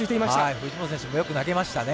藤本選手もよく投げましたね。